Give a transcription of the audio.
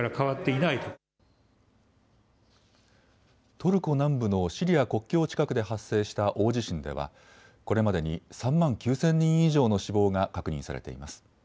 トルコ南部のシリア国境近くで発生した大地震ではこれまでに３万９０００人以上の死亡が確認されています。